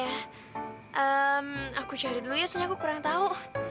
aku cari dulu ya soalnya aku kurang tahu